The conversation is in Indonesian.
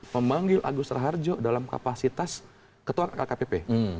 memanggil agus raharjo dalam kapasitas ketua kkpp